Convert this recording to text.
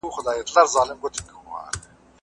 هغه بل اړخ دي ورته ووايي، چي دا بحث به بل وخت وکړو.